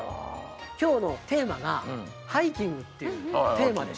今日のテーマが「ハイキング」っていうテーマでしょ。